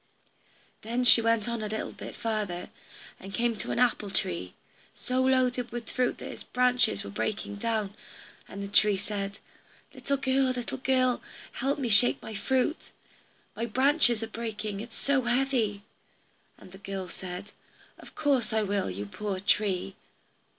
Then she went on a little bit farther, and came to an apple tree, so loaded with fruit that its branches were breaking down, and the tree said, "Little girl, little girl, help me shake my fruit. My branches are breaking, it is so heavy." And the girl said, "Of course I will, you poor tree."